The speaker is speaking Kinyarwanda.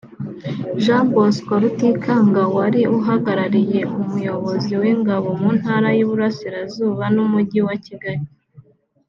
Jean Bosco Rutikanga wari uhagarariye umuyobozi w’ingabo mu Ntara y’Iburasirazuba n’Umujyi wa Kigali